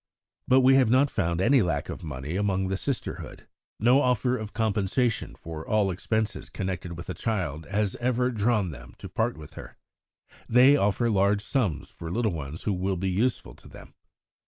But we have not found any lack of money among the Sisterhood. No offer of compensation for all expenses connected with a child has ever drawn them to part with her. They offer large sums for little ones who will be useful to them.